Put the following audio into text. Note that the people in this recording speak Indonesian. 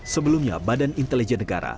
sebelumnya badan intelijen negara